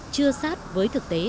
chưa sát với thực tế áp dụng